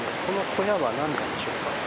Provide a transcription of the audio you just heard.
この小屋は何なんでしょうか。